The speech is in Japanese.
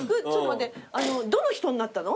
どの人になったの？